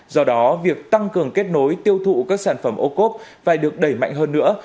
do đó việc tăng cường kết nối tiêu thụ các sản phẩm ô cốp phải được đẩy mạnh hơn nữa